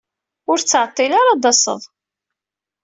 Ur ttɛeḍḍil ara ad d-tased.